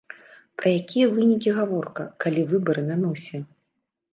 Пра якія вынікі гаворка, калі выбары на носе!